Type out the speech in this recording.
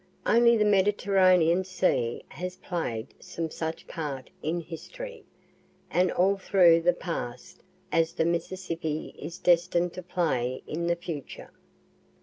Only the Mediterranean sea has play'd some such part in history, and all through the past, as the Mississippi is destined to play in the future.